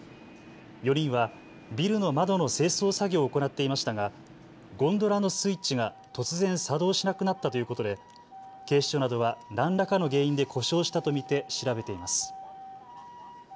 ４人はビルの窓の清掃作業を行っていましたがゴンドラのスイッチが突然作動しなくなったということで警視庁などは何らかの原因で故障したと見て調べています。